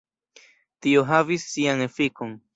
Tio havis sian efikon.